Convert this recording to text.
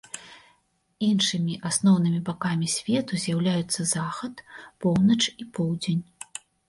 Іншымі асноўнымі бакамі свету з'яўляюцца захад, поўнач і поўдзень.